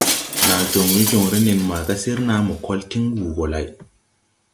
Naa joŋ we joŋre nen maaga sir naa mo kol tiŋ wuu gɔ lay.